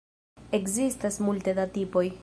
Ekzistas multe da tipoj.